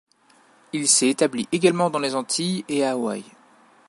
Il s'est établi également dans les Antilles et à Hawaï.